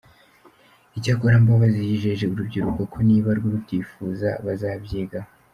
Icyakora, Mbabazi yijeje urubyiruko ko niba rubyifuza bazabyigaho.